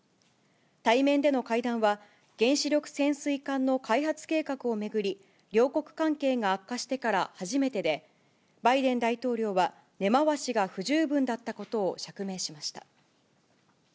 対面での会談は原子力潜水艦の開発計画を巡り、両国関係が悪化してから初めてで、バイデン大統領は根回しが不十分だったことを釈明しました。